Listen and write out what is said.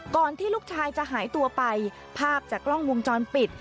ที่ลูกชายจะหายตัวไปภาพจากกล้องวงจรปิด